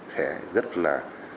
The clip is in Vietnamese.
sẽ rất là